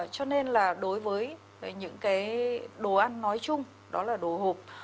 cho nên là đối với những cái đồ ăn nói chung đó là đồ hộp